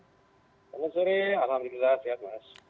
selamat sore alhamdulillah sehat mas